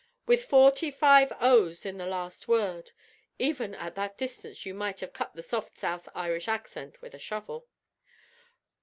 with forty five o's in the last word. Even at that distance you might have cut the soft South Irish accent with a shovel.